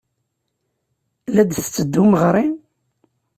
La d-tetteddum ɣer-i?